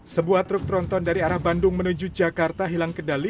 sebuah truk tronton dari arah bandung menuju jakarta hilang kendali